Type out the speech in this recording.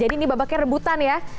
jadi ini babaknya rebutan ya